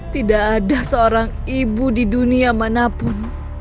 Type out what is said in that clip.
tidak ada seorang ibu di dunia manapun